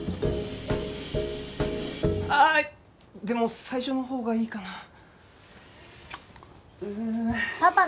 でも最初のほうがいいかなあ。